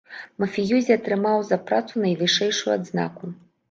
Мафіёзі атрымаў за працу найвышэйшую адзнаку.